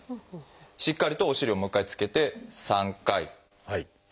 しっかりとお尻をもう一回つけて３回４回。